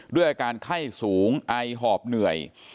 ด้วยอาการไข้สูงไอหอบเหนื่อย